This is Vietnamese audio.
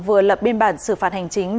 vừa lập biên bản xử phạt hành chính